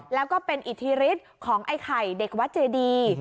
แล้วก็เป็นอิทธิฤทธิ์ของไอ้ไข่เด็กวัดเจดี